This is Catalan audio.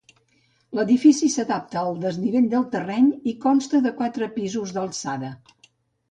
L'edifici s'adapta al desnivell del terreny i consta de quatre pisos d'alçada.